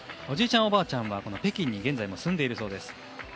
おじいさん、おばあさんは北京に現在も住んでいるそうです。